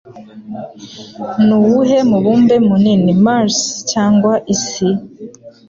Nuwuhe mubumbe munini Mars cyangwa isi?